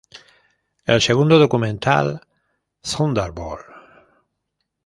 El segundo documental, "Thunderbolt!